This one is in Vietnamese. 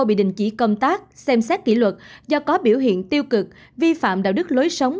bị đình chỉ công tác xem xét kỷ luật do có biểu hiện tiêu cực vi phạm đạo đức lối sống